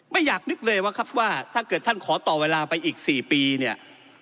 ไม่อยากนึกเลยว่าครับว่าถ้าเกิดท่านขอต่อเวลาไปอีก๔ปีเนี่ย